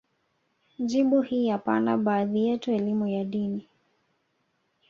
jibu ni hapana Baadhi yetu elimu ya dini